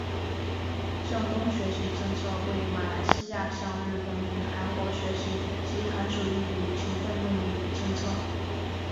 向东学习政策为马来西亚向日本与韩国学习集团主义与勤奋论理政策。